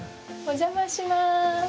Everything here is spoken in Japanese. お邪魔します。